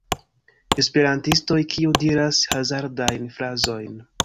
Esperantistoj kiu diras hazardajn frazojn